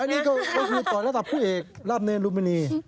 อันนี้ก็ต่อระดับผู้เอกรับเนื้อลูปินี